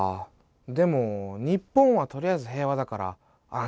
でも日本はとりあえず平和だから安心だね。